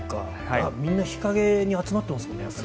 みんな日陰に集まってますもんね。